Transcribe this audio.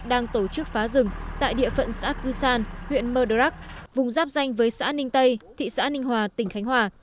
đang tổ chức phá rừng tại địa phận xã cư san huyện mờ đà rắc vùng giáp danh với xã ninh tây thị xã ninh hòa tỉnh khánh hòa